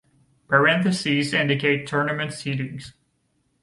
Parentheses indicate tournament seedings.